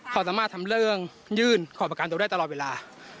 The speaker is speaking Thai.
เขาสามารถทำเรื่องยื่นขอประกันตัวได้ตลอดเวลา